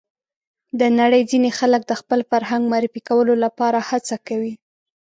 د نړۍ ځینې خلک د خپل فرهنګ معرفي کولو لپاره هڅه کوي.